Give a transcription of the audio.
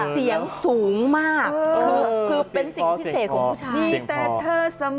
เสียงสูงมากคือคือเป็นสิ่งพิเศษของผู้ชายเสมอ